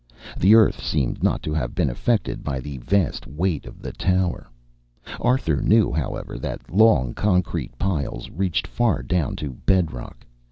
The earth seemed not to have been affected by the vast weight of the tower. Arthur knew, however, that long concrete piles reached far down to bedrock.